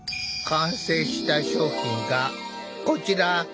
完成した商品がこちら！